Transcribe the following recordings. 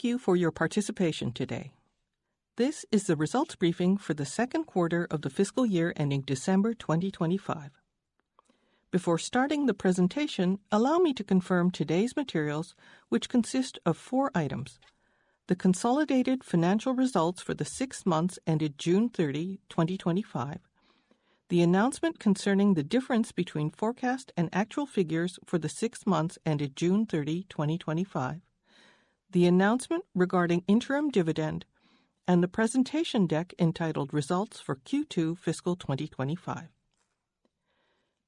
Thank you for your participation today. This is the results briefing for the second quarter of the fiscal year ending December 2025. Before starting the presentation, allow me to confirm today's materials, which consist of four items: the consolidated financial results for the six months ended June 30, 2025, the announcement concerning the difference between forecast and actual figures for the six months ended June 30, 2025, the announcement regarding interim dividend, and the presentation deck entitled "Results for Q2 Fiscal 2025."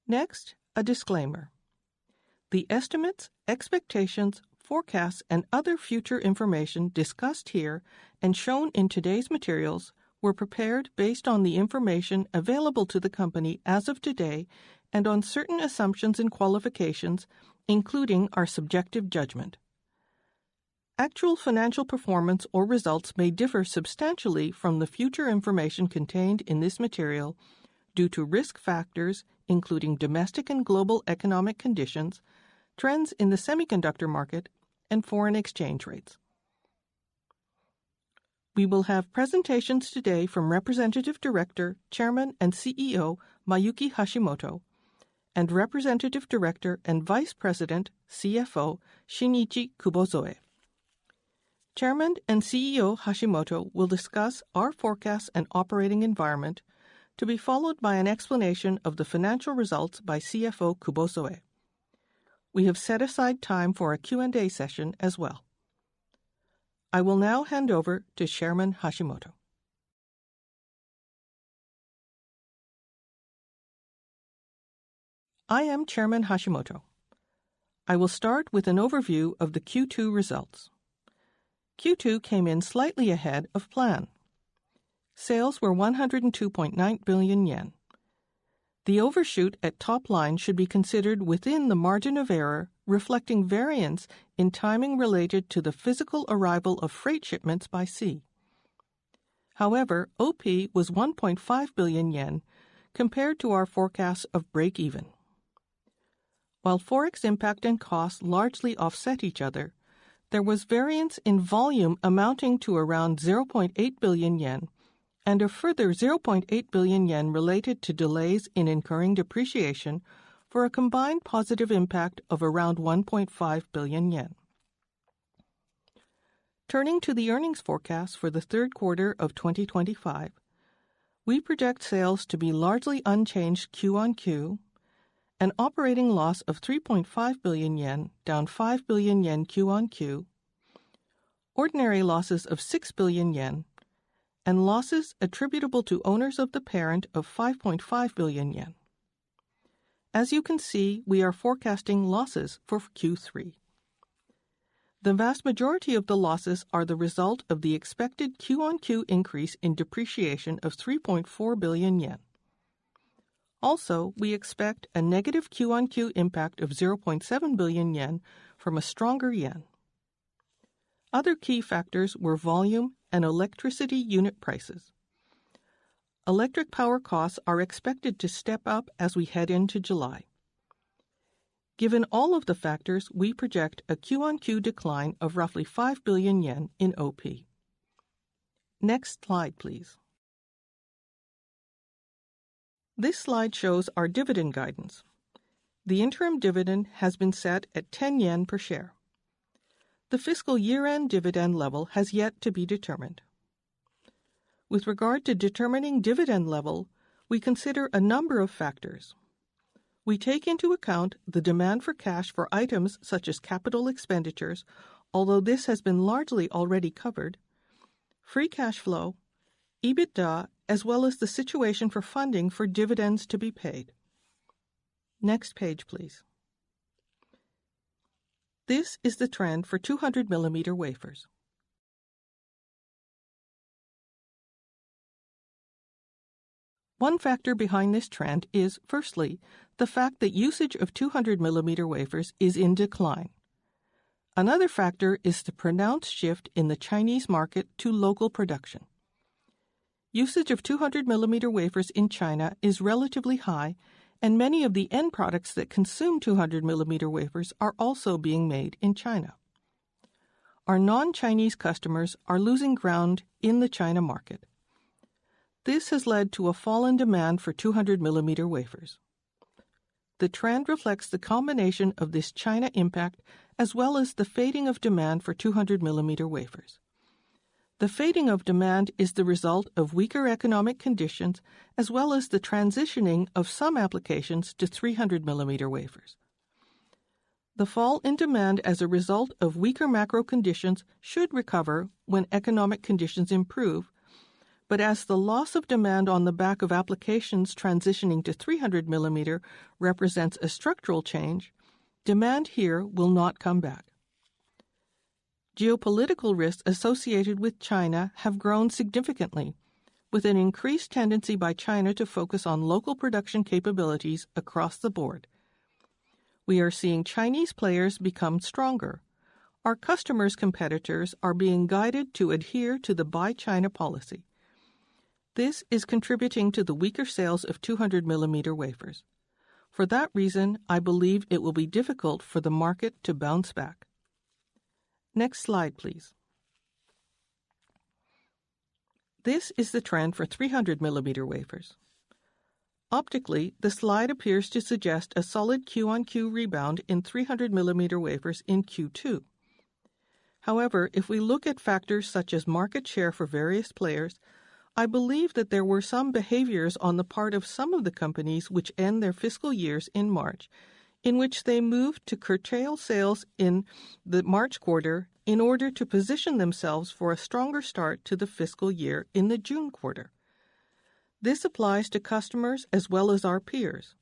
Next, a disclaimer. The estimates, expectations, forecasts, and other future information discussed here and shown in today's materials were prepared based on the information available to the company as of today and on certain assumptions and qualifications, including our subjective judgment. Actual financial performance or results may differ substantially from the future information contained in this material due to risk factors including domestic and global economic conditions, trends in the semiconductor market, and foreign exchange rates. We will have presentations today from Representative Director, Chairman, and CEO Mayuki Hashimoto, and Representative Director and Vice President, CFO Shinichi Kubozoe. Chairman and CEO Hashimoto will discuss our forecast and operating environment, to be followed by an explanation of the financial results by CFO Kubozoe. We have set aside time for a Q&A session as well. I will now hand over to Chairman Hashimoto. I am Chairman Hashimoto. I will start with an overview of the Q2 results. Q2 came in slightly ahead of plan. Sales were 102.9 billion yen. The overshoot at top line should be considered within the margin of error, reflecting variance in timing related to the physical arrival of freight shipments by sea. However, OP was 1.5 billion yen, compared to our forecast of break-even. While forex impact and cost largely offset each other, there was variance in volume amounting to around 0.8 billion yen, and a further 0.8 billion yen related to delays in incurring depreciation for a combined positive impact of around 1.5 billion yen. Turning to the earnings forecast for the third quarter of 2025, we project sales to be largely unchanged QoQ, an operating loss of 3.5 billion yen down 5 billion yen QoQ, ordinary losses of 6 billion yen, and losses attributable to owners of the parent of 5.5 billion yen. As you can see, we are forecasting losses for Q3. The vast majority of the losses are the result of the expected QoQ increase in depreciation of 3.4 billion yen. Also, we expect a negative QoQ impact of 0.7 billion yen from a stronger Yen. Other key factors were volume and electricity unit prices. Electric power costs are expected to step up as we head into July. Given all of the factors, we project a QoQ decline of roughly 5 billion yen in operating profit. Next slide, please. This slide shows our dividend guidance. The interim dividend has been set at 10 yen per share. The fiscal year-end dividend level has yet to be determined. With regard to determining dividend level, we consider a number of factors. We take into account the demand for cash for items such as capital expenditures, although this has been largely already covered, free cash flow, EBITDA, as well as the situation for funding for dividends to be paid. Next page, please. This is the trend for 200 mm wafers. One factor behind this trend is, firstly, the fact that usage of 200 mm wafers is in decline. Another factor is the pronounced shift in the Chinese market to local production. Usage of 200 mm wafers in China is relatively high, and many of the end products that consume 200 mm wafers are also being made in China. Our non-Chinese customers are losing ground in the China market. This has led to a fall in demand for 200 mm wafers. The trend reflects the combination of this China impact as well as the fading of demand for 200 mm wafers. The fading of demand is the result of weaker economic conditions as well as the transitioning of some applications to 300 mm wafers. The fall in demand as a result of weaker macro conditions should recover when economic conditions improve, but as the loss of demand on the back of applications transitioning to 300 mm represents a structural change, demand here will not come back. Geopolitical risks associated with China have grown significantly, with an increased tendency by China to focus on local production capabilities across the board. We are seeing Chinese players become stronger. Our customers' competitors are being guided to adhere to the Buy China policy. This is contributing to the weaker sales of 200 mm wafers. For that reason, I believe it will be difficult for the market to bounce back. Next slide, please. This is the trend for 300 mm wafers. Optically, the slide appears to suggest a solid QoQ rebound in 300 mm wafers in Q2. However, if we look at factors such as market share for various players, I believe that there were some behaviors on the part of some of the companies which end their fiscal years in March, in which they moved to curtail sales in the March quarter in order to position themselves for a stronger start to the fiscal year in the June quarter. This applies to customers as well as our peers.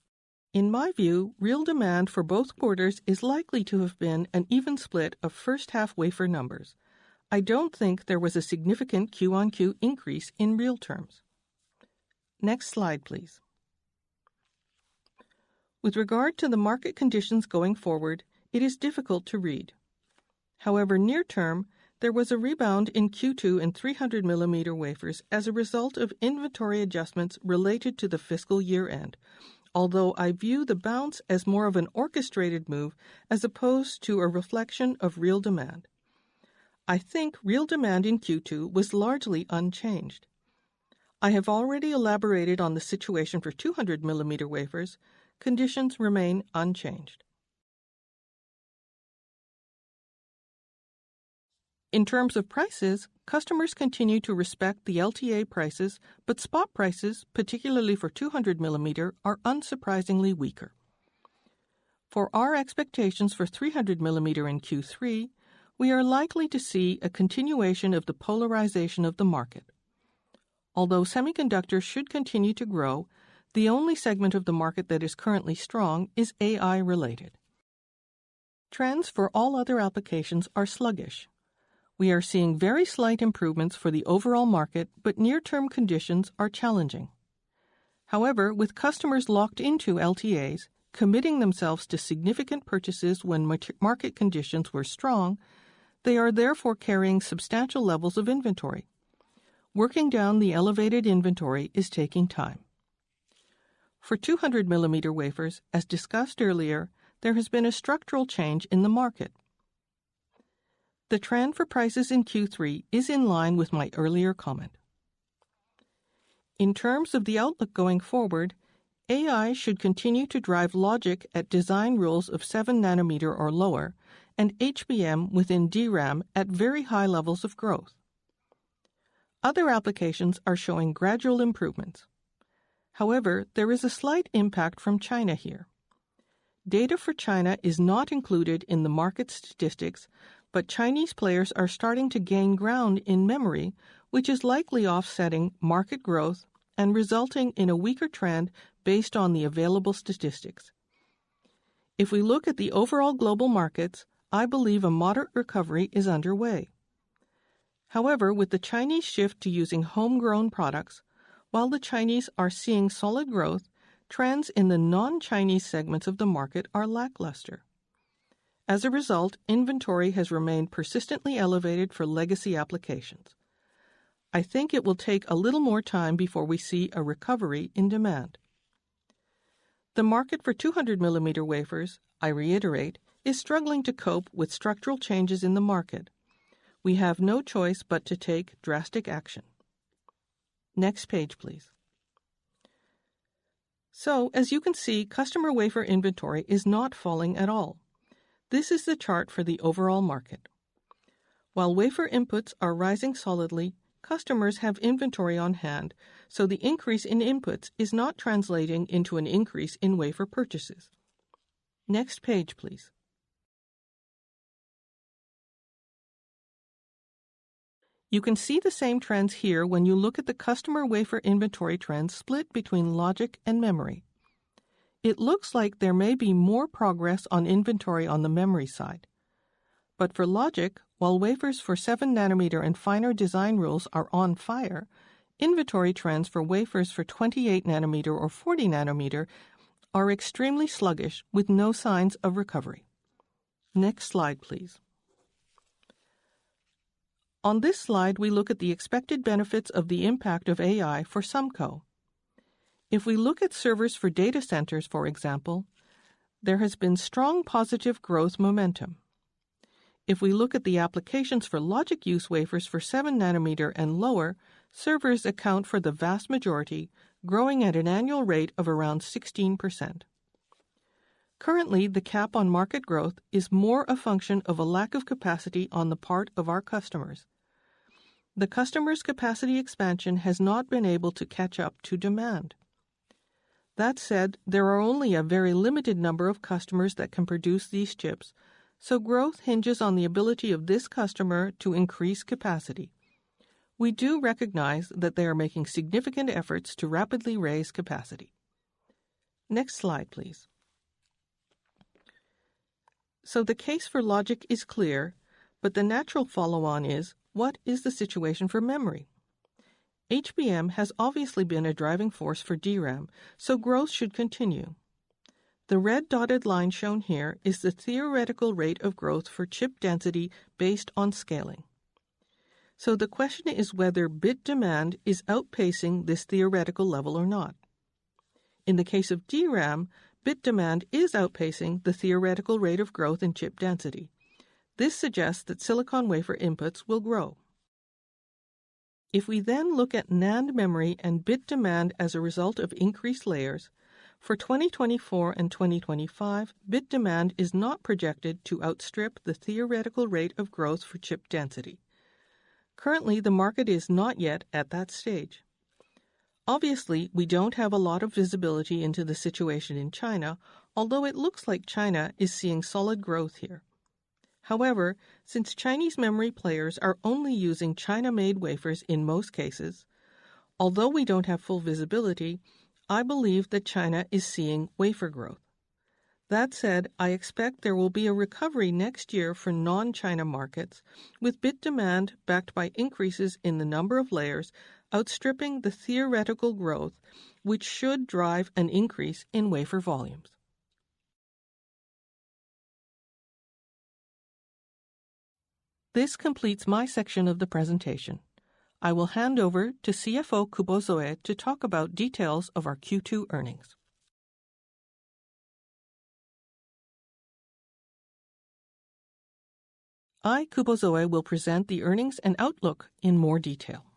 In my view, real demand for both quarters is likely to have been an even split of first-half wafer numbers. I don't think there was a significant QoQ increase in real terms. Next slide, please. With regard to the market conditions going forward, it is difficult to read. However, near term, there was a rebound in Q2 in 300 mm wafers as a result of inventory adjustments related to the fiscal year end, although I view the bounce as more of an orchestrated move as opposed to a reflection of real demand. I think real demand in Q2 was largely unchanged. I have already elaborated on the situation for 200 mm wafers. Conditions remain unchanged. In terms of prices, customers continue to respect the LTA prices, but spot prices, particularly for 200 mm, are unsurprisingly weaker. For our expectations for 300 mm in Q3, we are likely to see a continuation of the polarization of the market. Although semiconductors should continue to grow, the only segment of the market that is currently strong is AI-related. Trends for all other applications are sluggish. We are seeing very slight improvements for the overall market, but near-term conditions are challenging. However, with customers locked into LTAs, committing themselves to significant purchases when market conditions were strong, they are therefore carrying substantial levels of inventory. Working down the elevated inventory is taking time. For 200 mm wafers, as discussed earlier, there has been a structural change in the market. The trend for prices in Q3 is in line with my earlier comment. In terms of the outlook going forward, AI should continue to drive logic at design rules of 7 nm or lower, and HBM within DRAM at very high levels of growth. Other applications are showing gradual improvements. However, there is a slight impact from China here. Data for China is not included in the market statistics, but Chinese players are starting to gain ground in memory, which is likely offsetting market growth and resulting in a weaker trend based on the available statistics. If we look at the overall global markets, I believe a moderate recovery is underway. However, with the Chinese shift to using homegrown products, while the Chinese are seeing solid growth, trends in the non-Chinese segments of the market are lackluster. As a result, inventory has remained persistently elevated for legacy applications. I think it will take a little more time before we see a recovery in demand. The market for 200 mm wafers, I reiterate, is struggling to cope with structural changes in the market. We have no choice but to take drastic action. Next page, please. As you can see, customer wafer inventory is not falling at all. This is the chart for the overall market. While wafer inputs are rising solidly, customers have inventory on hand, so the increase in inputs is not translating into an increase in wafer purchases. Next page, please. You can see the same trends here when you look at the customer wafer inventory trends split between logic and memory. It looks like there may be more progress on inventory on the memory side. For logic, while wafers for 7 nm and finer design rules are on fire, inventory trends for wafers for 28 nm or 40 nm are extremely sluggish, with no signs of recovery. Next slide, please. On this slide, we look at the expected benefits of the impact of AI for SUMCO. If we look at servers for data centers, for example, there has been strong positive growth momentum. If we look at the applications for logic use wafers for 7 nm and lower, servers account for the vast majority, growing at an annual rate of around 16%. Currently, the cap on market growth is more a function of a lack of capacity on the part of our customers. The customer's capacity expansion has not been able to catch up to demand. That said, there are only a very limited number of customers that can produce these chips, so growth hinges on the ability of this customer to increase capacity. We do recognize that they are making significant efforts to rapidly raise capacity. Next slide, please. The case for logic is clear, but the natural follow-on is, what is the situation for memory? HBM has obviously been a driving force for DRAM, so growth should continue. The red-dotted line shown here is the theoretical rate of growth for chip density based on scaling. The question is whether bit demand is outpacing this theoretical level or not. In the case of DRAM, bit demand is outpacing the theoretical rate of growth in chip density. This suggests that silicon wafer inputs will grow. If we then look at NAND memory and bit demand as a result of increased layers, for 2024 and 2025, bit demand is not projected to outstrip the theoretical rate of growth for chip density. Currently, the market is not yet at that stage. Obviously, we don't have a lot of visibility into the situation in China, although it looks like China is seeing solid growth here. However, since Chinese memory players are only using China-made wafers in most cases, although we don't have full visibility, I believe that China is seeing wafer growth. That said, I expect there will be a recovery next year for non-China markets, with bit demand backed by increases in the number of layers outstripping the theoretical growth, which should drive an increase in wafer volumes. This completes my section of the presentation. I will hand over to CFO Kubozoe to talk about details of our Q2 earnings. I, Kubozoe, will present the earnings and outlook in more detail.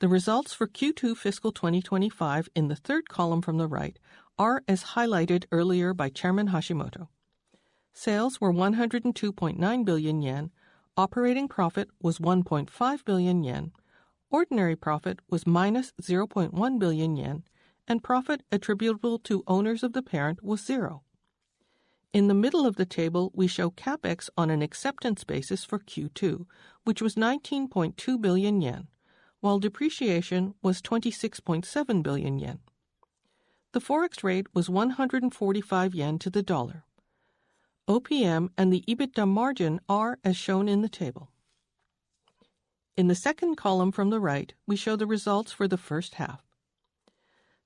The results for Q2 fiscal 2025 in the third column from the right are, as highlighted earlier by Chairman Hashimoto. Sales were 102.9 billion yen, operating profit was 1.5 billion yen, ordinary profit was -0.1 billion yen, and profit attributable to owners of the parent was zero. In the middle of the table, we show CapEx on an acceptance basis for Q2, which was 19.2 billion yen, while depreciation was 26.7 billion yen. The forex rate was 145 yen to the dollar. OPM and the EBITDA margin are, as shown in the table. In the second column from the right, we show the results for the first half.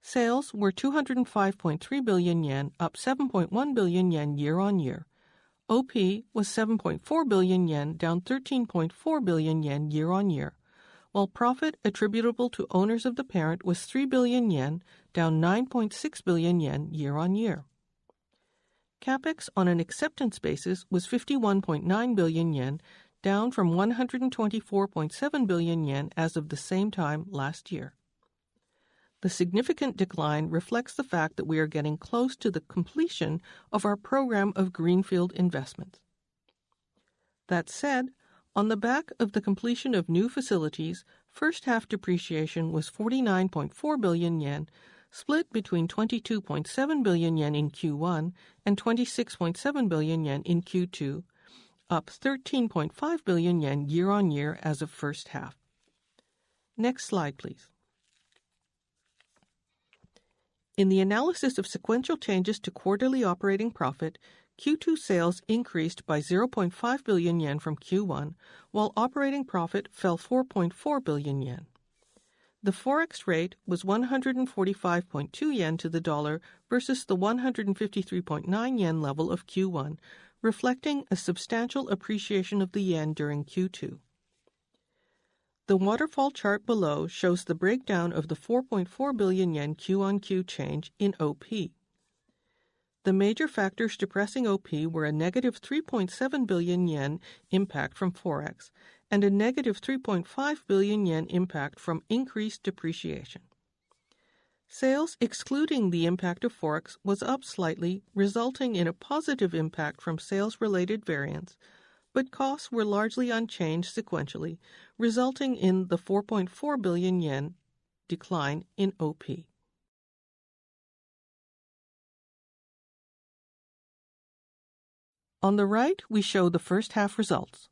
Sales were 205.3 billion yen, up 7.1 billion yen year-on-year. OP was 7.4 billion yen, down 13.4 billion yen year-on-year, while profit attributable to owners of the parent was 3 billion yen, down 9.6 billion yen year-on-year. CapEx on an acceptance basis was 51.9 billion yen, down from 124.7 billion yen as of the same time last year. The significant decline reflects the fact that we are getting close to the completion of our program of greenfield investments. That said, on the back of the completion of new facilities, first half depreciation was 49.4 billion yen, split between 22.7 billion yen in Q1 and 26.7 billion yen in Q2, up 13.5 billion yen year-on-year as of first half. Next slide, please. In the analysis of sequential changes to quarterly operating profit, Q2 sales increased by 0.5 billion yen from Q1, while operating profit fell 4.4 billion yen. The forex rate was 145.2 yen to the dollar versus the 153.9 yen level of Q1, reflecting a substantial appreciation of the Yen during Q2. The waterfall chart below shows the breakdown of the 4.4 billion yen QoQ change in OP. The major factors depressing OP were a -3.7 billion yen impact from forex and a -3.5 billion yen impact from increased depreciation. Sales, excluding the impact of forex, were up slightly, resulting in a positive impact from sales-related variance, but costs were largely unchanged sequentially, resulting in the 4.4 billion yen decline in OP. On the right, we show the first half results.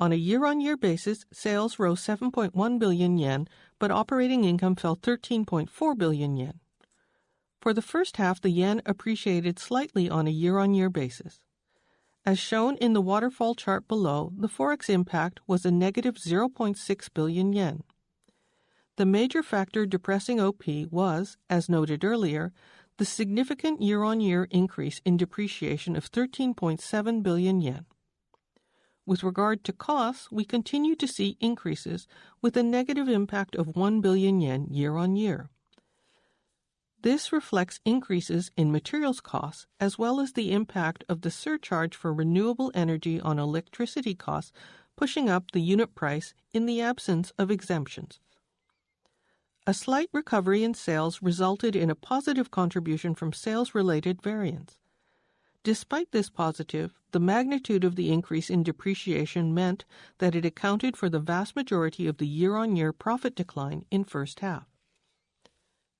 On a year-on-year basis, sales rose 7.1 billion yen, but operating income fell 13.4 billion yen. For the first half, the Yen appreciated slightly on a year-on-year basis. As shown in the waterfall chart below, the forex impact was a -0.6 billion yen. The major factor depressing OP was, as noted earlier, the significant year-on-year increase in depreciation of 13.7 billion yen. With regard to costs, we continue to see increases with a negative impact of 1 billion yen year-on-year. This reflects increases in materials costs, as well as the impact of the surcharge for renewable energy on electricity costs, pushing up the unit price in the absence of exemptions. A slight recovery in sales resulted in a positive contribution from sales-related variance. Despite this positive, the magnitude of the increase in depreciation meant that it accounted for the vast majority of the year-on-year profit decline in first half.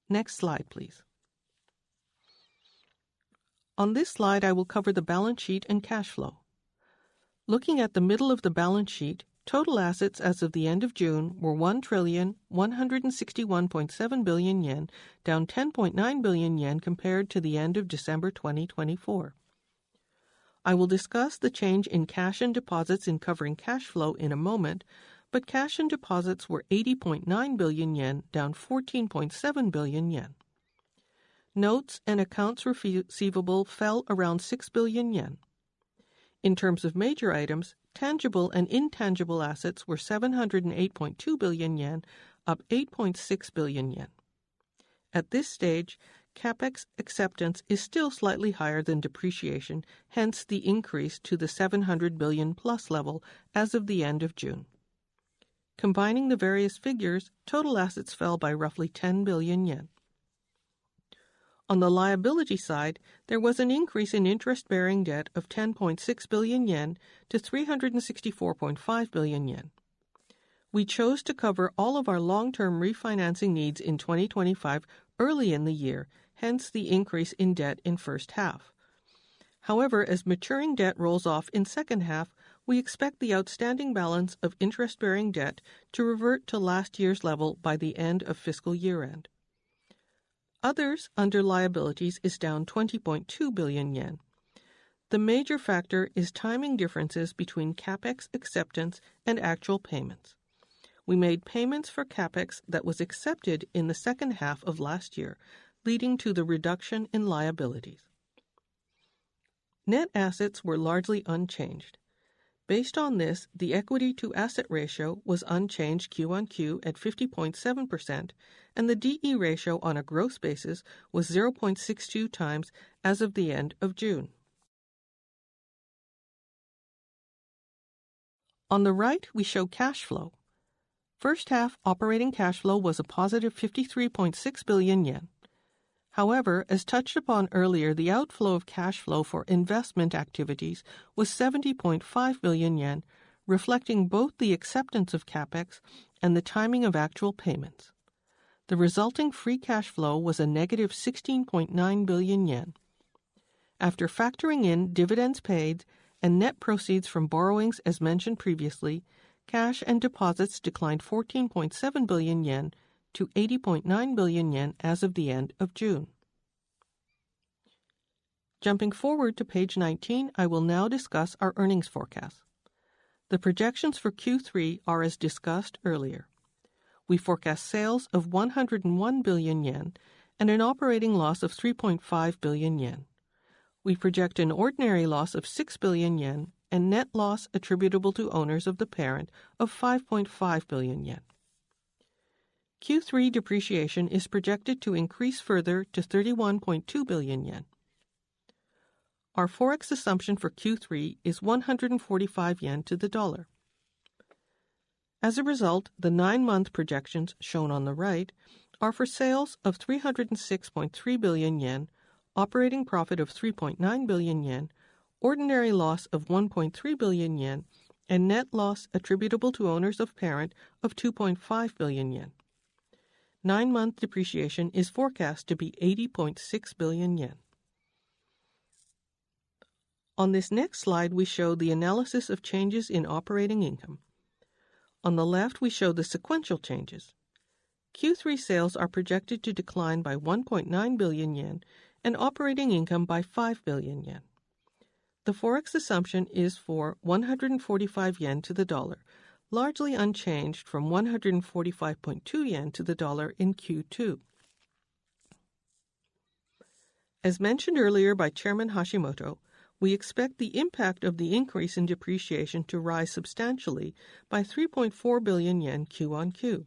Next slide, please. On this slide, I will cover the balance sheet and cash flow. Looking at the middle of the balance sheet, total assets as of the end of June were 1,161.7 billion yen, down 10.9 billion yen compared to the end of December 2024. I will discuss the change in cash and deposits in covering cash flow in a moment, but cash and deposits were 80.9 billion yen, down 14.7 billion yen. Notes and accounts receivable fell around 6 billion yen. In terms of major items, tangible and intangible assets were 708.2 billion yen, up 8.6 billion yen. At this stage, CapEx acceptance is still slightly higher than depreciation, hence the increase to the 700 billion+ level as of the end of June. Combining the various figures, total assets fell by roughly 10 billion yen. On the liability side, there was an increase in interest-bearing debt of 10.6 billion yen to 364.5 billion yen. We chose to cover all of our long-term refinancing needs in 2025 early in the year, hence the increase in debt in first half. However, as maturing debt rolls off in second half, we expect the outstanding balance of interest-bearing debt to revert to last year's level by the end of fiscal year end. Others under liabilities are down 20.2 billion yen. The major factor is timing differences between CapEx acceptance and actual payments. We made payments for CapEx that were accepted in the second half of last year, leading to the reduction in liabilities. Net assets were largely unchanged. Based on this, the equity-to-asset ratio was unchanged QoQ at 50.7%, and the D/E ratio on a gross basis was 0.62 times as of the end of June. On the right, we show cash flow. First half operating cash flow was a positive 53.6 billion yen. However, as touched upon earlier, the outflow of cash flow for investment activities was 70.5 billion yen, reflecting both the acceptance of CapEx and the timing of actual payments. The resulting free cash flow was a -16.9 billion yen. After factoring in dividends paid and net proceeds from borrowings, as mentioned previously, cash and deposits declined 14.7 billion yen to 80.9 billion yen as of the end of June. Jumping forward to page 19, I will now discuss our earnings forecast. The projections for Q3 are as discussed earlier. We forecast sales of 101 billion yen and an operating loss of 3.5 billion yen. We project an ordinary loss of 6 billion yen and net loss attributable to owners of the parent of 5.5 billion yen. Q3 depreciation is projected to increase further to 31.2 billion yen. Our forex assumption for Q3 is 145 yen to the dollar. As a result, the nine-month projections shown on the right are for sales of 306.3 billion yen, operating profit of 3.9 billion yen, ordinary loss of 1.3 billion yen, and net loss attributable to owners of parent of 2.5 billion yen. Nine-month depreciation is forecast to be 80.6 billion yen. On this next slide, we show the analysis of changes in operating income. On the left, we show the sequential changes. Q3 sales are projected to decline by 1.9 billion yen and operating income by 5 billion yen. The forex assumption is for 145 yen to the dollar, largely unchanged from 145.2 yen to the dollar in Q2. As mentioned earlier by Chairman Hashimoto, we expect the impact of the increase in depreciation to rise substantially by 3.4 billion yen QoQ.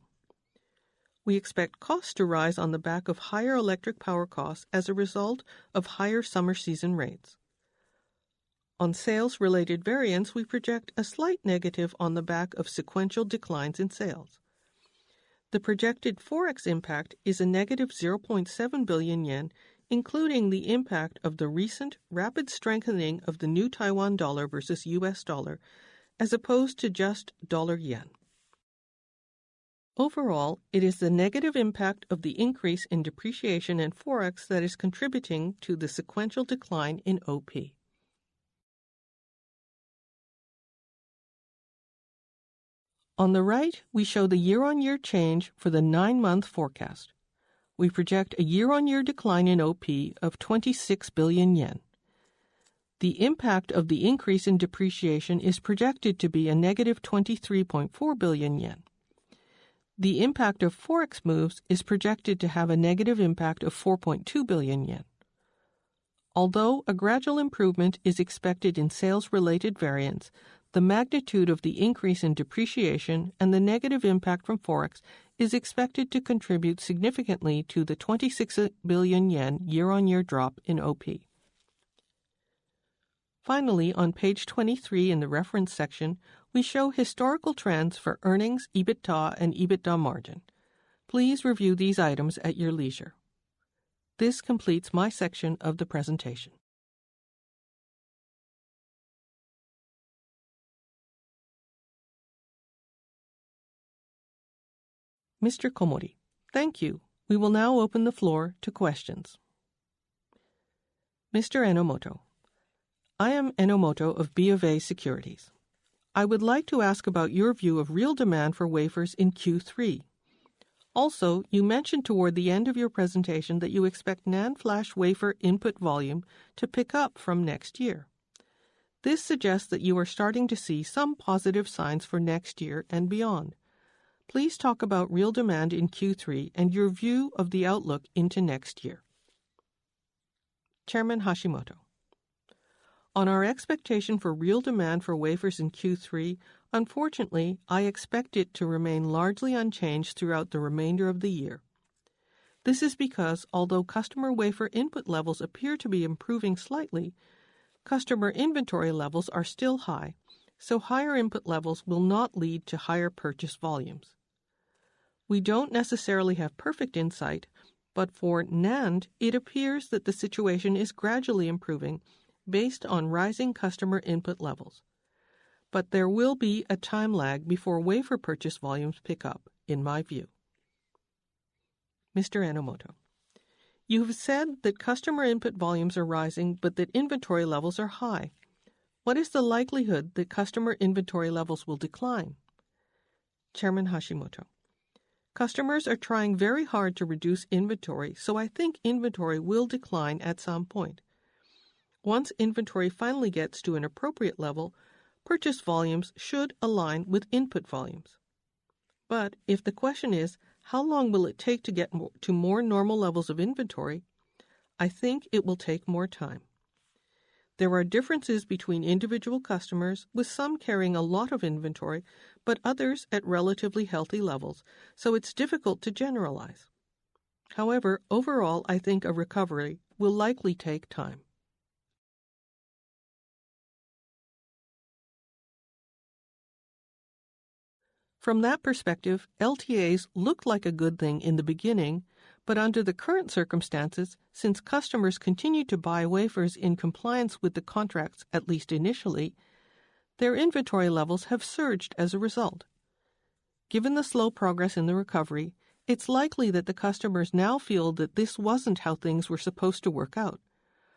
We expect costs to rise on the back of higher electric power costs as a result of higher summer season rates. On sales-related variance, we project a slight negative on the back of sequential declines in sales. The projected forex impact is a -0.7 billion yen, including the impact of the recent rapid strengthening of the New Taiwan dollar versus U.S. dollar, as opposed to just dollar Yen. Overall, it is the negative impact of the increase in depreciation and forex that is contributing to the sequential decline in OP. On the right, we show the year-on-year change for the nine-month forecast. We project a year-on-year decline in OP of 26 billion yen. The impact of the increase in depreciation is projected to be a -23.4 billion yen. The impact of forex moves is projected to have a negative impact of 4.2 billion yen. Although a gradual improvement is expected in sales-related variance, the magnitude of the increase in depreciation and the negative impact from forex is expected to contribute significantly to the 26 billion yen year-on-year drop in OP. Finally, on page 23 in the reference section, we show historical trends for earnings, EBITDA, and EBITDA margin. Please review these items at your leisure. This completes my section of the presentation. Thank you. We will now open the floor to questions. I am Enomoto of BofA Securities. I would like to ask about your view of real demand for wafers in Q3. Also, you mentioned toward the end of your presentation that you expect NAND flash wafer input volume to pick up from next year. This suggests that you are starting to see some positive signs for next year and beyond. Please talk about real demand in Q3 and your view of the outlook into next year. On our expectation for real demand for wafers in Q3, unfortunately, I expect it to remain largely unchanged throughout the remainder of the year. This is because, although customer wafer input levels appear to be improving slightly, customer inventory levels are still high, so higher input levels will not lead to higher purchase volumes. We don't necessarily have perfect insight, but for NAND, it appears that the situation is gradually improving based on rising customer input levels. There will be a time lag before wafer purchase volumes pick up, in my view. You have said that customer input volumes are rising, but that inventory levels are high. What is the likelihood that customer inventory levels will decline? Customers are trying very hard to reduce inventory, so I think inventory will decline at some point. Once inventory finally gets to an appropriate level, purchase volumes should align with input volumes. If the question is, how long will it take to get to more normal levels of inventory, I think it will take more time. There are differences between individual customers, with some carrying a lot of inventory, but others at relatively healthy levels, so it's difficult to generalize. However, overall, I think a recovery will likely take time. From that perspective, LTAs looked like a good thing in the beginning, but under the current circumstances, since customers continue to buy wafers in compliance with the contracts, at least initially, their inventory levels have surged as a result. Given the slow progress in the recovery, it's likely that the customers now feel that this wasn't how things were supposed to work out.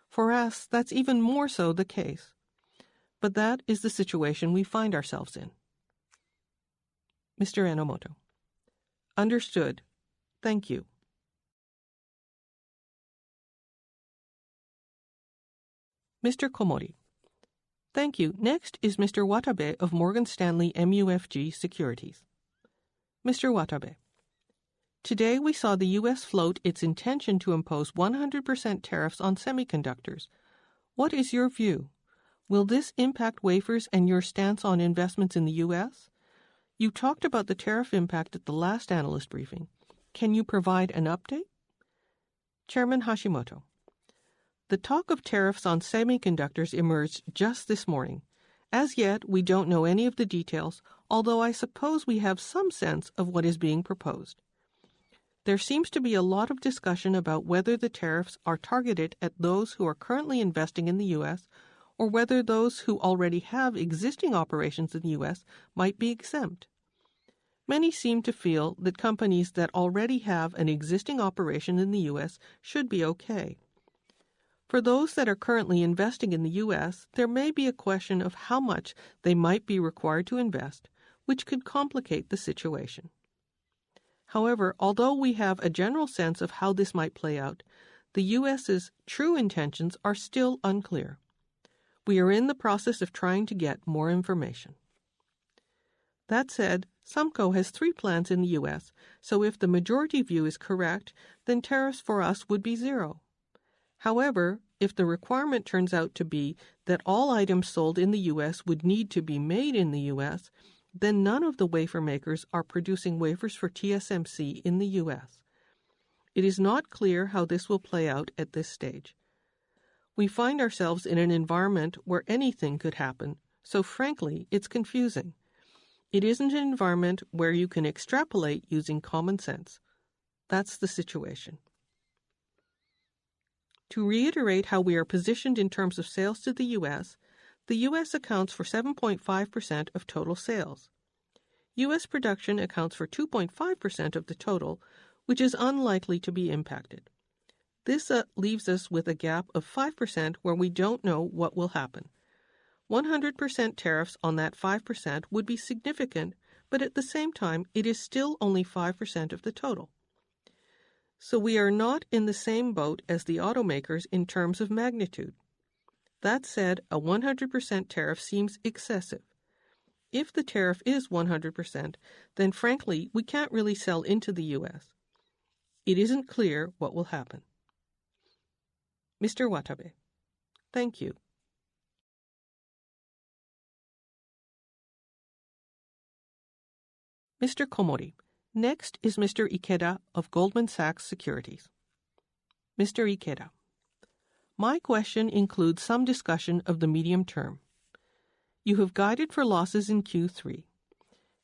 For us, that's even more so the case. That is the situation we find ourselves in. Understood. Thank you. Thank you. Next is Mr. Watabe of Morgan Stanley MUFG Securities. Today we saw the U.S. float its intention to impose 100% tariffs on semiconductors. What is your view? Will this impact wafers and your stance on investments in the U.S.? You talked about the tariff impact at the last analyst briefing. Can you provide an update? The talk of tariffs on semiconductors emerged just this morning. As yet, we don't know any of the details, although I suppose we have some sense of what is being proposed. There seems to be a lot of discussion about whether the tariffs are targeted at those who are currently investing in the U.S., or whether those who already have existing operations in the U.S. might be exempt. Many seem to feel that companies that already have an existing operation in the U.S. should be okay. For those that are currently investing in the U.S., there may be a question of how much they might be required to invest, which could complicate the situation. However, although we have a general sense of how this might play out, the U.S.'s true intentions are still unclear. We are in the process of trying to get more information. That said, SUMCO has three plants in the U.S., so if the majority view is correct, then tariffs for us would be 0%. However, if the requirement turns out to be that all items sold in the U.S. would need to be made in the U.S., then none of the wafer makers are producing wafers for TSMC in the U.S. It is not clear how this will play out at this stage. We find ourselves in an environment where anything could happen, so frankly, it's confusing. It isn't an environment where you can extrapolate using common sense. That's the situation. To reiterate how we are positioned in terms of sales to the U.S., the U.S. accounts for 7.5% of total sales. U.S. production accounts for 2.5% of the total, which is unlikely to be impacted. This leaves us with a gap of 5% where we don't know what will happen. 100% tariffs on that 5% would be significant, but at the same time, it is still only 5% of the total. We are not in the same boat as the automakers in terms of magnitude. That said, a 100% tariff seems excessive. If the tariff is 100%, then frankly, we can't really sell into the U.S. It isn't clear what will happen. Thank you. Next is Mr. Ikeda of Goldman Sachs Securities. My question includes some discussion of the medium term. You have guided for losses in Q3.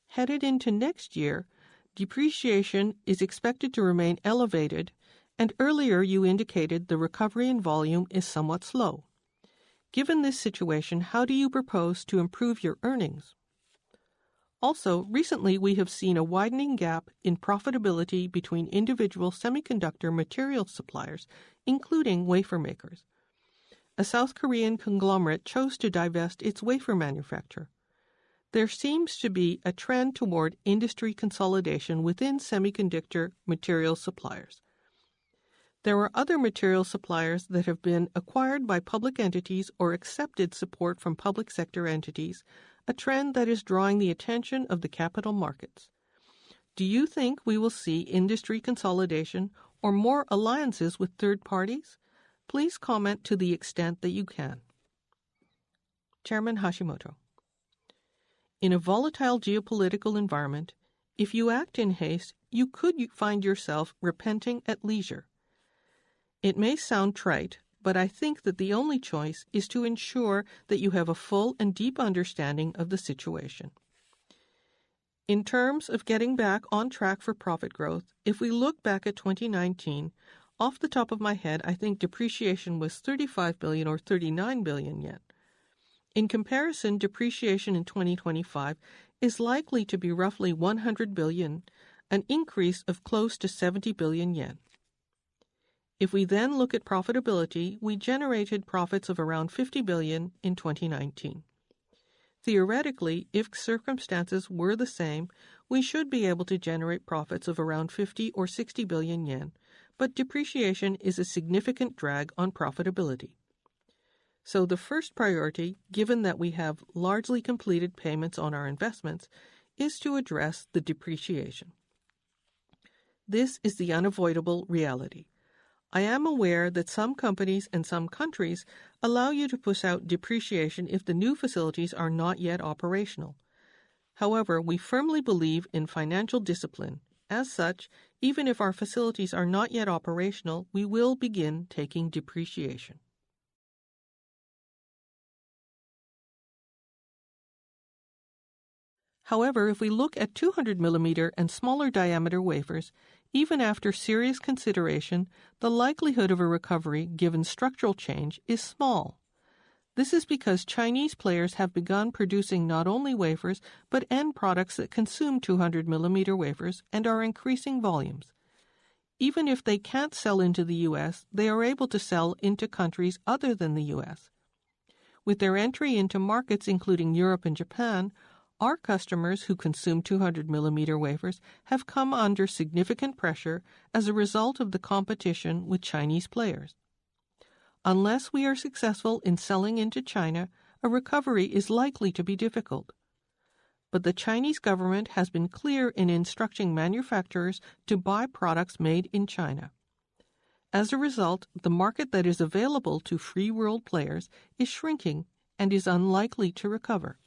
Headed into next year, depreciation is expected to remain elevated, and earlier you indicated the recovery in volume is somewhat slow. Given this situation, how do you propose to improve your earnings? Also, recently we have seen a widening gap in profitability between individual semiconductor materials suppliers, including wafer makers. A South Korean conglomerate chose to divest its wafer manufacturer. There seems to be a trend toward industry consolidation within semiconductor materials suppliers. There are other materials suppliers that have been acquired by public entities or accepted support from public sector entities, a trend that is drawing the attention of the capital markets. Do you think we will see industry consolidation or more alliances with third parties? Please comment to the extent that you can. In a volatile geopolitical environment, if you act in haste, you could find yourself repenting at leisure. It may sound trite, but I think that the only choice is to ensure that you have a full and deep understanding of the situation. In terms of getting back on track for profit growth, if we look back at 2019, off the top of my head, I think depreciation was 35 billion or 39 billion yen. In comparison, depreciation in 2025 is likely to be roughly 100 billion, an increase of close to 70 billion yen. If we then look at profitability, we generated profits of around 50 billion in 2019. Theoretically, if circumstances were the same, we should be able to generate profits of around 50 billion or 60 billion yen, but depreciation is a significant drag on profitability. The first priority, given that we have largely completed payments on our investments, is to address the depreciation. This is the unavoidable reality. I am aware that some companies and some countries allow you to push out depreciation if the new facilities are not yet operational. However, we firmly believe in financial discipline. As such, even if our facilities are not yet operational, we will begin taking depreciation. If we look at 200 mm and smaller diameter wafers, even after serious consideration, the likelihood of a recovery, given structural change, is small. This is because Chinese players have begun producing not only wafers, but end products that consume 200 mm wafers and are increasing volumes. Even if they can't sell into the U.S., they are able to sell into countries other than the U.S. With their entry into markets including Europe and Japan, our customers who consume 200 mm wafers have come under significant pressure as a result of the competition with Chinese players. Unless we are successful in selling into China, a recovery is likely to be difficult. The Chinese government has been clear in instructing manufacturers to buy products made in China. As a result, the market that is available to free-world players is shrinking and is unlikely to recover.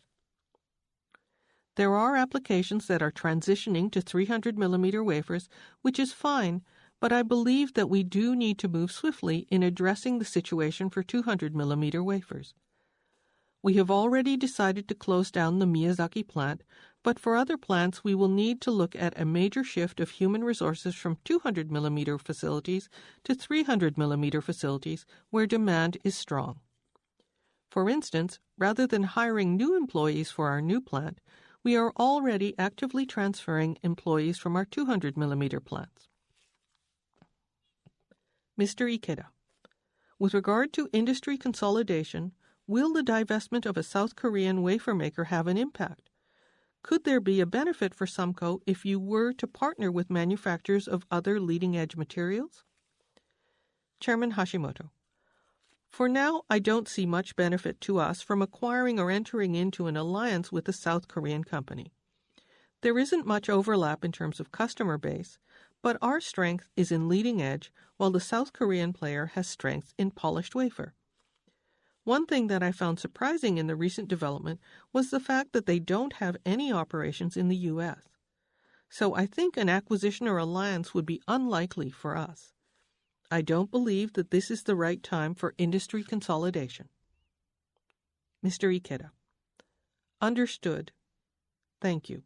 There are applications that are transitioning to 300 mm wafers, which is fine, but I believe that we do need to move swiftly in addressing the situation for 200 mm wafers. We have already decided to close down the Miyazaki plant, but for other plants, we will need to look at a major shift of human resources from 200 mm facilities to 300 mm facilities where demand is strong. For instance, rather than hiring new employees for our new plant, we are already actively transferring employees from our 200 mm plants. With regard to industry consolidation, will the divestment of a South Korean wafer maker have an impact? Could there be a benefit for SUMCO if you were to partner with manufacturers of other leading-edge materials? For now, I don't see much benefit to us from acquiring or entering into an alliance with a South Korean company. There isn't much overlap in terms of customer base, but our strength is in leading edge, while the South Korean player has strength in polished wafers. One thing that I found surprising in the recent development was the fact that they don't have any operations in the U.S. I think an acquisition or alliance would be unlikely for us. I don't believe that this is the right time for industry consolidation. Understood. Thank you.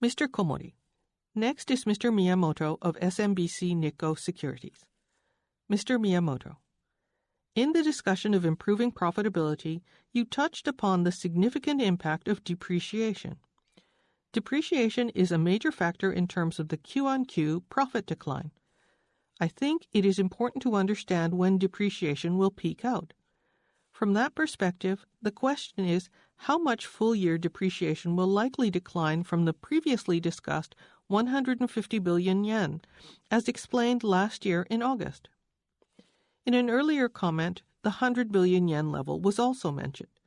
Next is Mr. Miyamoto of SMBC Nikko Securities. In the discussion of improving profitability, you touched upon the significant impact of depreciation. Depreciation is a major factor in terms of the QoQ profit decline. I think it is important to understand when depreciation will peak out. From that perspective, the question is how much full-year depreciation will likely decline from the previously discussed 150 billion yen, as explained last year in August. In an earlier comment, the 100 billion yen level was also mentioned,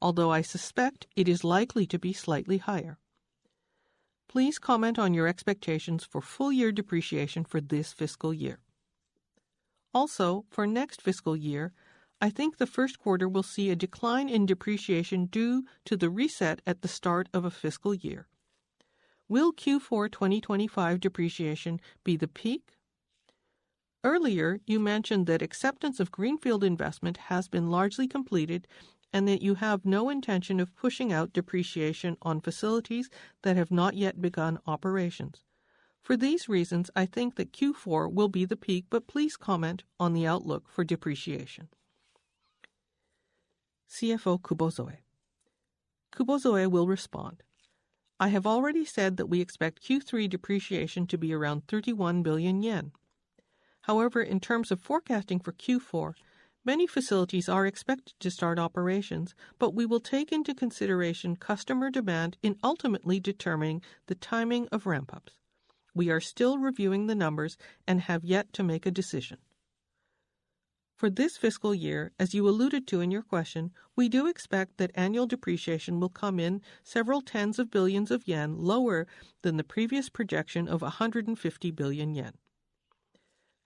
although I suspect it is likely to be slightly higher. Please comment on your expectations for full-year depreciation for this fiscal year. Also, for next fiscal year, I think the first quarter will see a decline in depreciation due to the reset at the start of a fiscal year. Will Q4 2025 depreciation be the peak? Earlier, you mentioned that acceptance of greenfield investment has been largely completed and that you have no intention of pushing out depreciation on facilities that have not yet begun operations. For these reasons, I think that Q4 will be the peak, but please comment on the outlook for depreciation. I have already said that we expect Q3 depreciation to be around 31 billion yen. However, in terms of forecasting for Q4, many facilities are expected to start operations, but we will take into consideration customer demand in ultimately determining the timing of ramp-ups. We are still reviewing the numbers and have yet to make a decision. For this fiscal year, as you alluded to in your question, we do expect that annual depreciation will come in several tens of billions of Yen lower than the previous projection of 150 billion yen.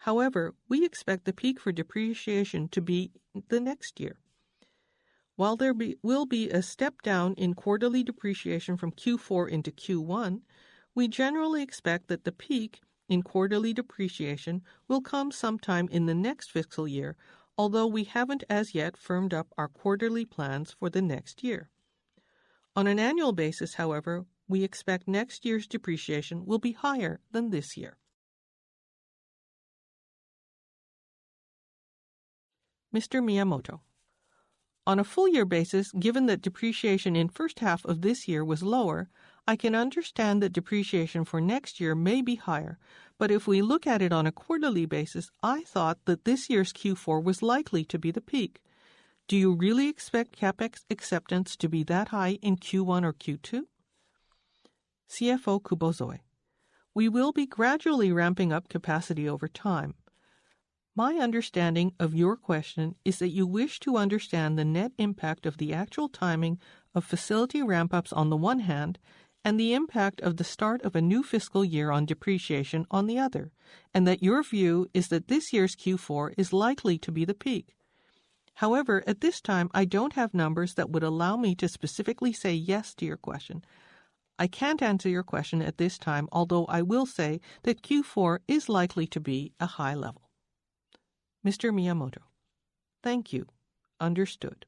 However, we expect the peak for depreciation to be the next year. While there will be a step down in quarterly depreciation from Q4 into Q1, we generally expect that the peak in quarterly depreciation will come sometime in the next fiscal year, although we haven't as yet firmed up our quarterly plans for the next year. On an annual basis, however, we expect next year's depreciation will be higher than this year. On a full-year basis, given that depreciation in the first half of this year was lower, I can understand that depreciation for next year may be higher, but if we look at it on a quarterly basis, I thought that this year's Q4 was likely to be the peak. Do you really expect CapEx acceptance to be that high in Q1 or Q2? We will be gradually ramping up capacity over time. My understanding of your question is that you wish to understand the net impact of the actual timing of facility ramp-ups on the one hand and the impact of the start of a new fiscal year on depreciation on the other, and that your view is that this year's Q4 is likely to be the peak. However, at this time, I don't have numbers that would allow me to specifically say yes to your question. I can't answer your question at this time, although I will say that Q4 is likely to be a high level. Thank you. Understood.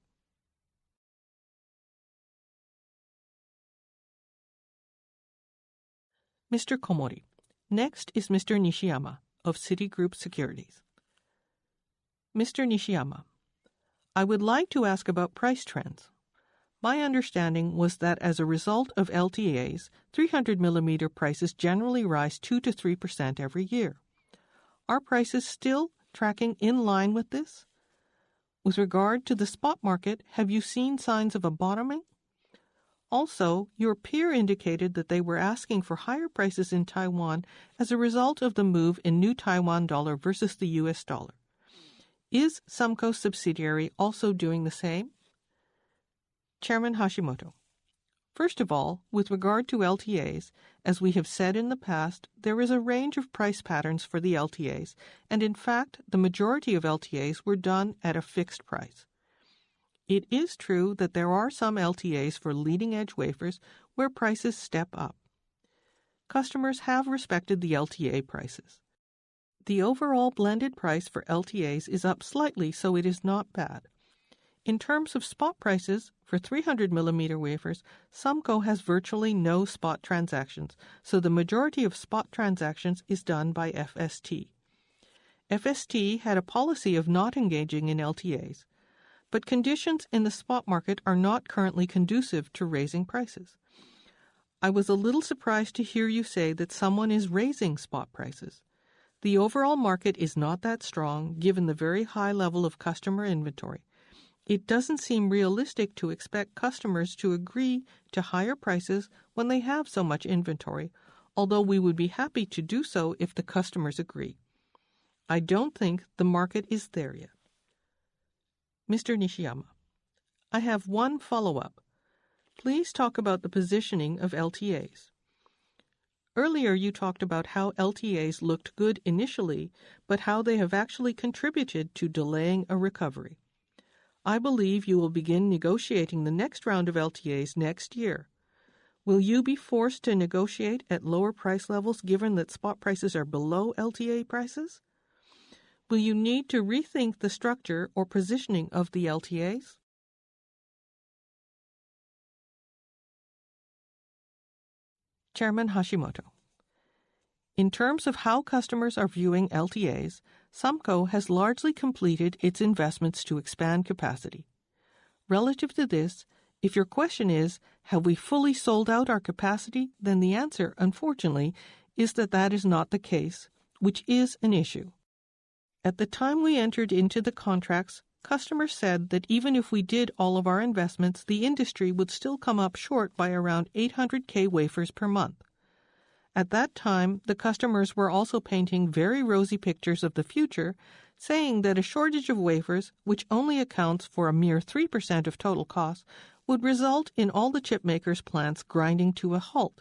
Next is Mr. Nishiyama of Citigroup Securities. I would like to ask about price trends. My understanding was that as a result of LTAs, 300 mm prices generally rise 2%-3% every year. Are prices still tracking in line with this? With regard to the spot market, have you seen signs of a bottoming? Also, your peer indicated that they were asking for higher prices in Taiwan as a result of the move in the New Taiwan dollar versus the U.S. dollar. Is SUMCO's subsidiary also doing the same? First of all, with regard to LTAs, as we have said in the past, there is a range of price patterns for the LTAs, and in fact, the majority of LTAs were done at a fixed price. It is true that there are some LTAs for leading-edge wafers where prices step up. Customers have respected the LTA prices. The overall blended price for LTAs is up slightly, so it is not bad. In terms of spot prices for 300 mm wafers, SUMCO has virtually no spot transactions, so the majority of spot transactions is done by FST. FST had a policy of not engaging in LTAs, but conditions in the spot market are not currently conducive to raising prices. I was a little surprised to hear you say that someone is raising spot prices. The overall market is not that strong given the very high level of customer inventory. It doesn't seem realistic to expect customers to agree to higher prices when they have so much inventory, although we would be happy to do so if the customers agree. I don't think the market is there yet. I have one follow-up. Please talk about the positioning of LTAs. Earlier, you talked about how LTAs looked good initially, but how they have actually contributed to delaying a recovery. I believe you will begin negotiating the next round of LTAs next year. Will you be forced to negotiate at lower price levels given that spot prices are below LTA prices? Will you need to rethink the structure or positioning of the LTAs? In terms of how customers are viewing LTAs, SUMCO has largely completed its investments to expand capacity. Relative to this, if your question is, have we fully sold out our capacity, then the answer, unfortunately, is that that is not the case, which is an issue. At the time we entered into the contracts, customers said that even if we did all of our investments, the industry would still come up short by around 800,000 wafers per month. At that time, the customers were also painting very rosy pictures of the future, saying that a shortage of wafers, which only accounts for a mere 3% of total costs, would result in all the chipmakers' plants grinding to a halt.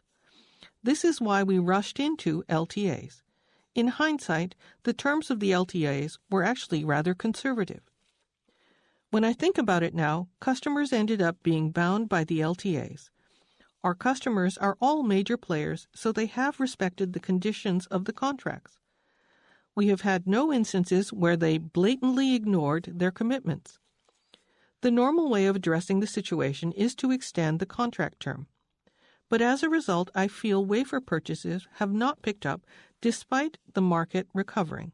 This is why we rushed into LTAs. In hindsight, the terms of the LTAs were actually rather conservative. When I think about it now, customers ended up being bound by the LTAs. Our customers are all major players, so they have respected the conditions of the contracts. We have had no instances where they blatantly ignored their commitments. The normal way of addressing the situation is to extend the contract term. As a result, I feel wafer purchases have not picked up despite the market recovering.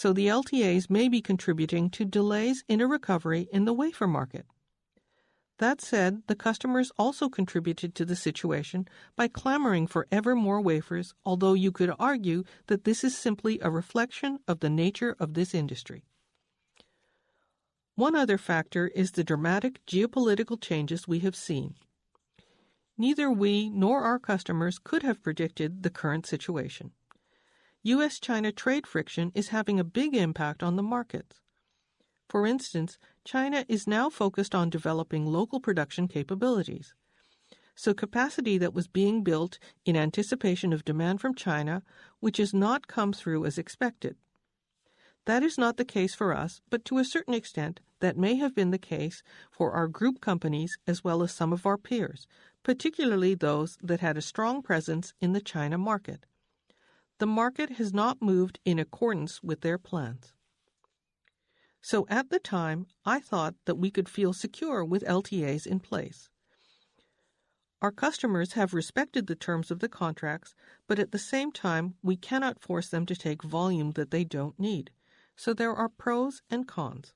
The LTAs may be contributing to delays in a recovery in the wafer market. That said, the customers also contributed to the situation by clamoring for ever more wafers, although you could argue that this is simply a reflection of the nature of this industry. One other factor is the dramatic geopolitical changes we have seen. Neither we nor our customers could have predicted the current situation. U.S.-China trade friction is having a big impact on the markets. For instance, China is now focused on developing local production capabilities. Capacity was being built in anticipation of demand from China, which has not come through as expected. That is not the case for us, but to a certain extent, that may have been the case for our group companies as well as some of our peers, particularly those that had a strong presence in the China market. The market has not moved in accordance with their plans. At the time, I thought that we could feel secure with LTAs in place. Our customers have respected the terms of the contracts, but at the same time, we cannot force them to take volume that they don't need. There are pros and cons.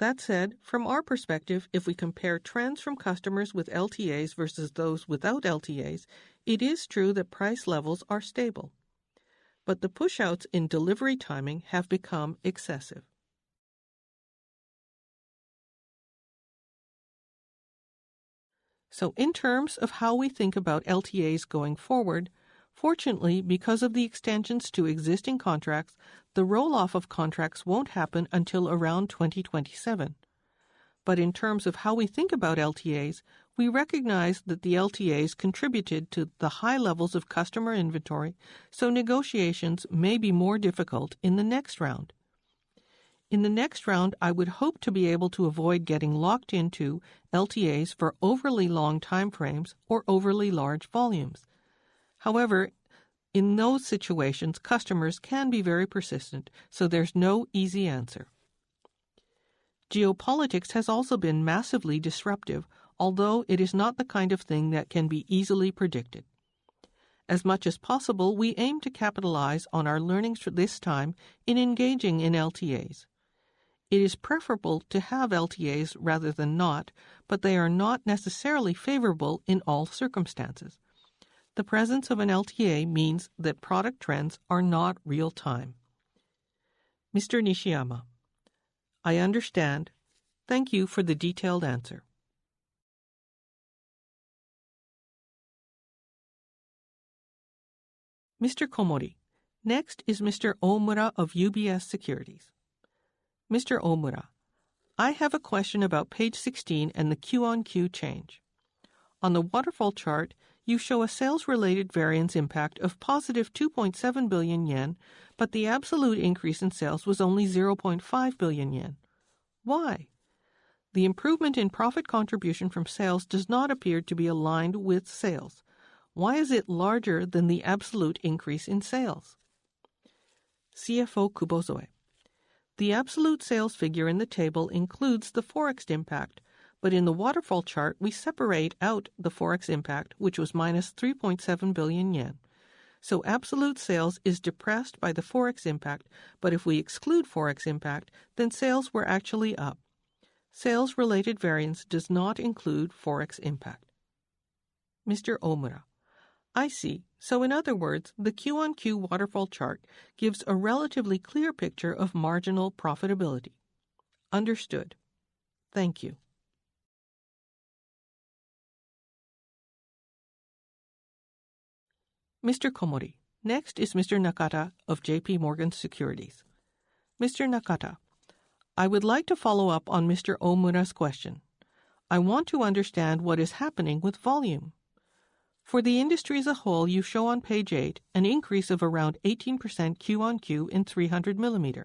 From our perspective, if we compare trends from customers with LTAs versus those without LTAs, it is true that price levels are stable. The push-outs in delivery timing have become excessive. In terms of how we think about LTAs going forward, fortunately, because of the extensions to existing contracts, the rolloff of contracts won't happen until around 2027. In terms of how we think about LTAs, we recognize that the LTAs contributed to the high levels of customer inventory, so negotiations may be more difficult in the next round. In the next round, I would hope to be able to avoid getting locked into LTAs for overly long timeframes or overly large volumes. However, in those situations, customers can be very persistent, so there's no easy answer. Geopolitics has also been massively disruptive, although it is not the kind of thing that can be easily predicted. As much as possible, we aim to capitalize on our learnings from this time in engaging in LTAs. It is preferable to have LTAs rather than not, but they are not necessarily favorable in all circumstances. The presence of an LTA means that product trends are not real-time. I understand. Thank you for the detailed answer. Next is Mr. Omura of UBS Securities. I have a question about page 16 and the QoQ change. On the waterfall chart, you show a sales-related variance impact of positive 2.7 billion yen, but the absolute increase in sales was only 0.5 billion yen. Why? The improvement in profit contribution from sales does not appear to be aligned with sales. Why is it larger than the absolute increase in sales? The absolute sales figure in the table includes the forex impact, but in the waterfall chart, we separate out the forex impact, which was -3.7 billion yen. Absolute sales is depressed by the forex impact, but if we exclude forex impact, then sales were actually up. Sales-related variance does not include forex impact. I see. In other words, the QoQ waterfall chart gives a relatively clear picture of marginal profitability. Understood. Thank you. Next is Mr. Nakada of JPMorgan Securities. I would like to follow up on Mr. Omura's question. I want to understand what is happening with volume. For the industry as a whole, you show on page 8 an increase of around 18% QoQ in 300 mm.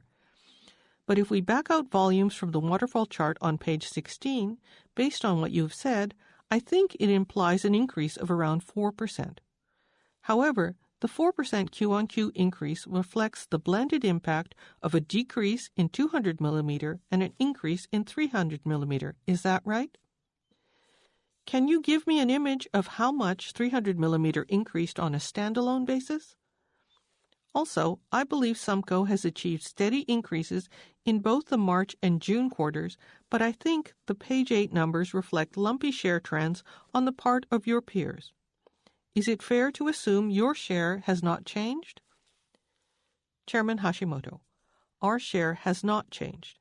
If we back out volumes from the waterfall chart on page 16, based on what you've said, I think it implies an increase of around 4%. However, the 4% QoQ increase reflects the blended impact of a decrease in 200 mm and an increase in 300 mm. Is that right? Can you give me an image of how much 300 mm increased on a standalone basis? Also, I believe SUMCO has achieved steady increases in both the March and June quarters, but I think the page 8 numbers reflect lumpy share trends on the part of your peers. Is it fair to assume your share has not changed? Our share has not changed.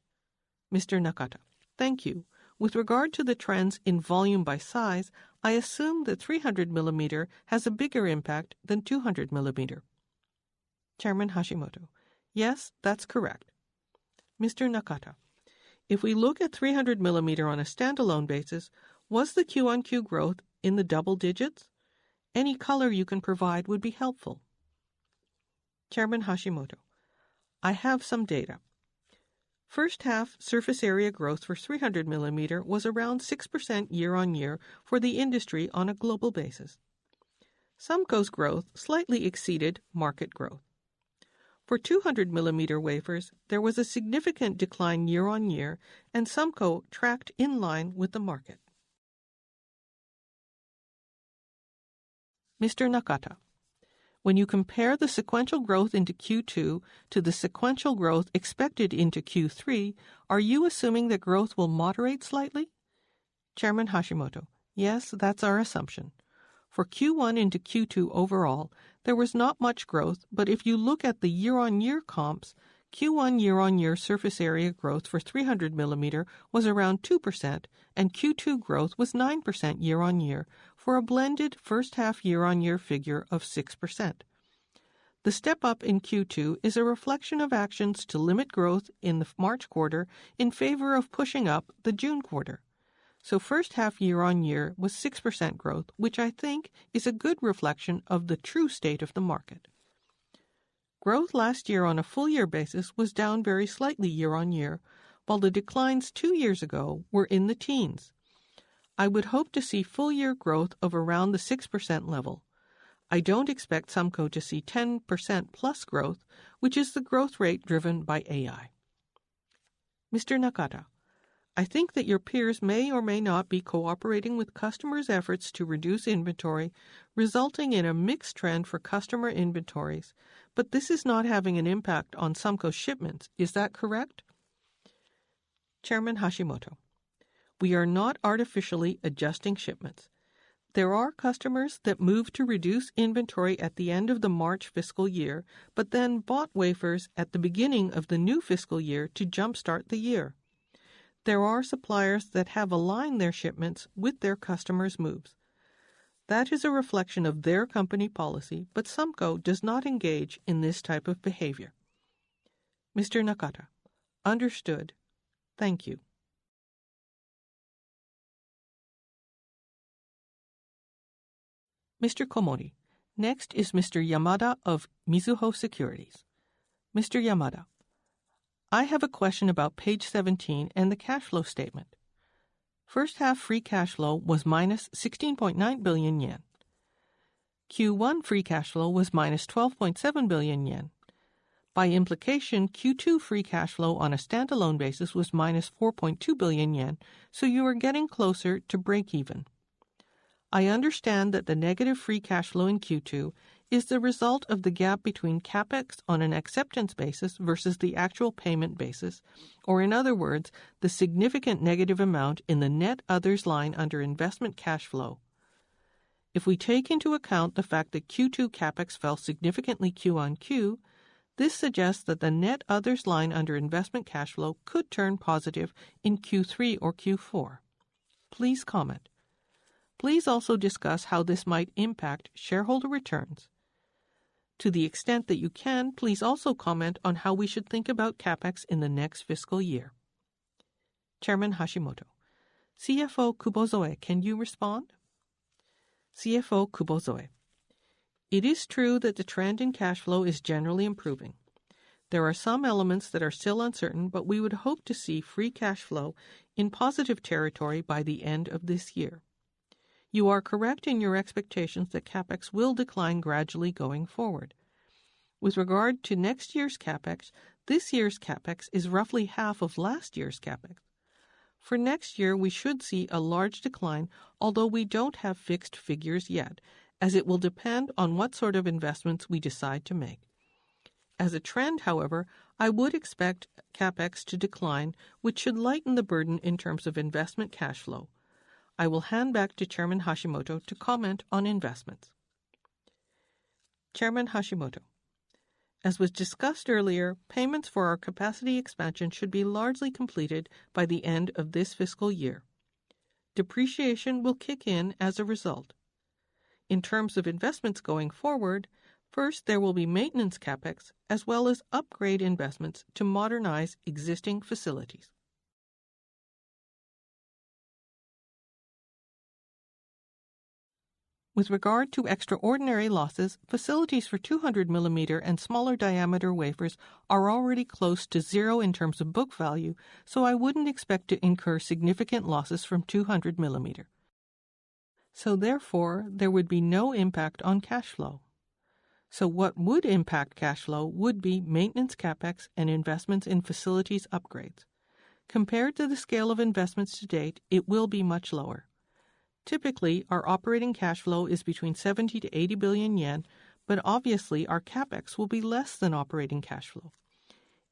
Thank you. With regard to the trends in volume by size, I assume that 300 mm has a bigger impact than 200 mm. Yes, that's correct. If we look at 300 mm on a standalone basis, was the QoQ growth in the double digits? Any color you can provide would be helpful. I have some data. First half surface area growth for 300 mm was around 6% year-on-year for the industry on a global basis. SUMCO's growth slightly exceeded market growth. For 200 mm wafers, there was a significant decline year-on-year, and SUMCO tracked in line with the market. When you compare the sequential growth into Q2 to the sequential growth expected into Q3, are you assuming that growth will moderate slightly? Yes, that's our assumption. For Q1 into Q2 overall, there was not much growth, but if you look at the year-on-year comps, Q1 year-on-year surface area growth for 300 mm was around 2%, and Q2 growth was 9% year-on-year for a blended first half year-on-year figure of 6%. The step up in Q2 is a reflection of actions to limit growth in the March quarter in favor of pushing up the June quarter. First half year-on-year was 6% growth, which I think is a good reflection of the true state of the market. Growth last year on a full-year basis was down very slightly year-on-year, while the declines two years ago were in the teens. I would hope to see full-year growth of around the 6% level. I don't expect SUMCO to see 10%+ growth, which is the growth rate driven by AI. I think that your peers may or may not be cooperating with customers' efforts to reduce inventory, resulting in a mixed trend for customer inventories, but this is not having an impact on SUMCO's shipments. Is that correct? We are not artificially adjusting shipments. There are customers that moved to reduce inventory at the end of the March fiscal year, but then bought wafers at the beginning of the new fiscal year to jumpstart the year. There are suppliers that have aligned their shipments with their customers' moves. That is a reflection of their company policy, but SUMCO does not engage in this type of behavior. Understood. Thank you. Next is Mr. Yamada of Mizuho Securities. I have a question about page 17 and the cash flow statement. First half free cash flow was-JPY 16.9 billion. Q1 free cash flow was -12.7 billion yen. By implication, Q2 free cash flow on a standalone basis was -4.2 billion yen, so you are getting closer to break even. I understand that the negative free cash flow in Q2 is the result of the gap between CapEx on an acceptance basis versus the actual payment basis, or in other words, the significant negative amount in the net others line under investment cash flow. If we take into account the fact that Q2 CapEx fell significantly QoQ, this suggests that the net others line under investment cash flow could turn positive in Q3 or Q4. Please comment. Please also discuss how this might impact shareholder returns. To the extent that you can, please also comment on how we should think about CapEx in the next fiscal year. CFO Kubozoe, can you respond? It is true that the trend in cash flow is generally improving. There are some elements that are still uncertain, but we would hope to see free cash flow in positive territory by the end of this year. You are correct in your expectations that CapEx will decline gradually going forward. With regard to next year's CapEx, this year's CapEx is roughly half of last year's CapEx. For next year, we should see a large decline, although we don't have fixed figures yet, as it will depend on what sort of investments we decide to make. As a trend, however, I would expect CapEx to decline, which should lighten the burden in terms of investment cash flow. I will hand back to Chairman Hashimoto to comment on investments. As was discussed earlier, payments for our capacity expansion should be largely completed by the end of this fiscal year. Depreciation will kick in as a result. In terms of investments going forward, first there will be maintenance CapEx, as well as upgrade investments to modernize existing facilities. With regard to extraordinary losses, facilities for 200 mm and smaller diameter wafers are already close to zero in terms of book value, so I wouldn't expect to incur significant losses from 200 mm. Therefore, there would be no impact on cash flow. What would impact cash flow would be maintenance CapEx and investments in facilities upgrades. Compared to the scale of investments to date, it will be much lower. Typically, our operating cash flow is between 70 billion-80 billion yen, but obviously our CapEx will be less than operating cash flow.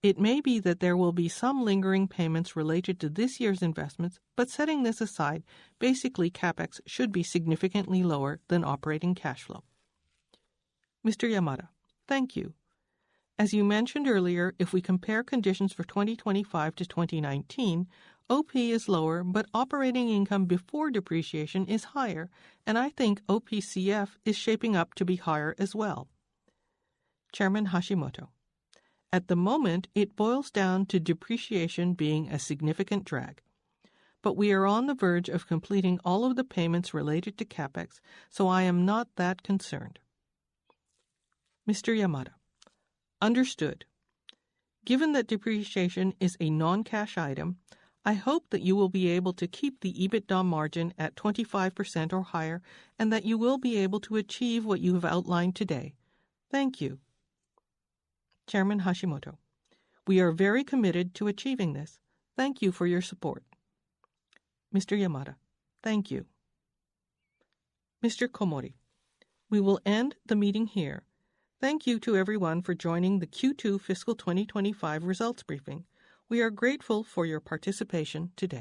It may be that there will be some lingering payments related to this year's investments, but setting this aside, basically CapEx should be significantly lower than operating cash flow. Thank you. As you mentioned earlier, if we compare conditions for 2025 to 2019, OP is lower, but operating income before depreciation is higher, and I think OPCF is shaping up to be higher as well. At the moment, it boils down to depreciation being a significant drag. We are on the verge of completing all of the payments related to CapEx, so I am not that concerned. Understood. Given that depreciation is a non-cash item, I hope that you will be able to keep the EBITDA margin at 25% or higher, and that you will be able to achieve what you have outlined today. Thank you. We are very committed to achieving this. Thank you for your support. Thank you. We will end the meeting here. Thank you to everyone for joining the Q2 fiscal 2025 results briefing. We are grateful for your participation today.